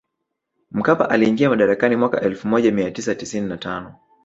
Mkapa aliingia madarakani mwaka elfu moja mia tisa tisini na tano